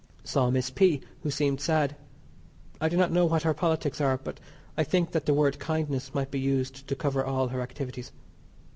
Saw Miss P. who seemed sad. I do not know what her politics are, but I think that the word "kindness" might be used to cover all her activities.